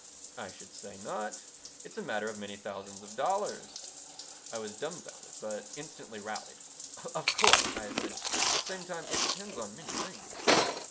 "I should say not. It's a matter of many thousands of dollars." I was dumfounded, but instantly rallied. "Of course," I assented. "At the same time it depends on many things."